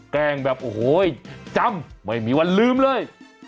แกล้งแบบโอ้โหจำไม่มีวันลืมเลย